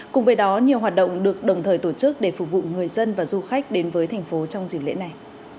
cùng với đó nhiều hoạt động được đồng thời tổ chức để phục vụ người dân và du khách đến với thành phố trong dịp lễ này